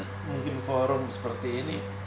dan mungkin forum seperti ini